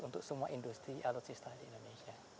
untuk semua industri alutsista di indonesia